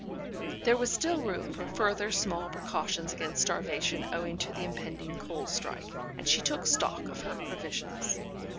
There was still room for further small precautions against starvation owing to the impending coal strike, and she took stock of her provisions.